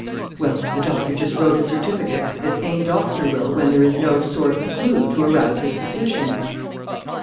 "Well, the doctor just wrote a certificate as any doctor will when there is no sort of clue to arouse his suspicions."